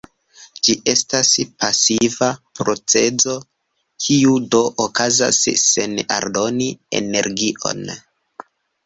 Ĝi estas pasiva procezo, kiu do okazas sen aldoni energion.